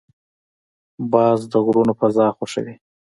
باز د غرونو فضا خوښوي